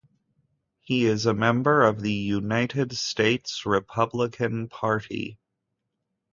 He is a member of the United States Republican Party.